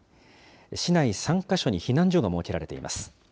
市内３か所に避難所が設けられています。